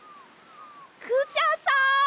クシャさん